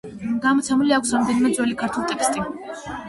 გამოცემული აქვს რამდენიმე ძველი ქართული ტექსტი.